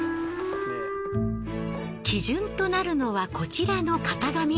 基準となるのはこちらの型紙。